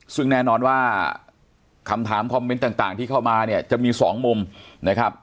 ซึ่งแน่นอนว่าคำถามคอมเมนต์ต่างที่เข้ามาเนี่ยจะมีสองมุมนะครับ